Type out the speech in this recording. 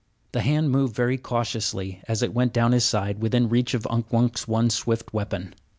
The hand moved very cautiously as it went down his side, within reach of Unk Wunk's one swift weapon.